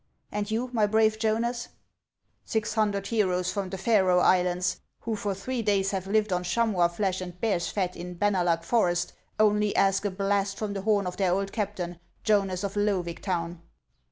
And you, my brave Jonas ?"" Six hundred heroes from the Faroe Islands, who for three days have lived on chamois flesh and bear's fat in Bennallag forest, only ask a blast from the horn of their old captain, Jonas of Loevig town."